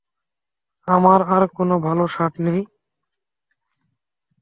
আমার আর কোনো ভালো শার্ট নেই।